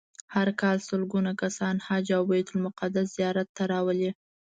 هر کال سلګونه کسان حج او بیت المقدس زیارت ته راولي.